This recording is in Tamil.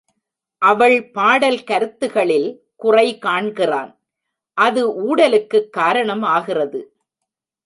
அவள் பாடல் கருத்துகளில் குறை காண்கிறான், அது ஊடலுக்குக் காரணம் ஆகிறது.